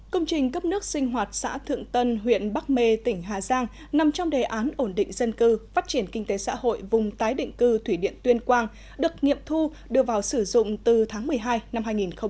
công trình cấp nước sinh hoạt xã thượng tân huyện bắc mê tỉnh hà giang nằm trong đề án ổn định dân cư phát triển kinh tế xã hội vùng tái định cư thủy điện tuyên quang được nghiệm thu đưa vào sử dụng từ tháng một mươi hai năm hai nghìn một mươi chín